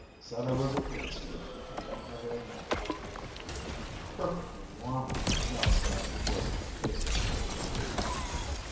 "Said I was a policeman. I don't know very much " "Perfectly normal!" Mel said before Hazel shooshed him.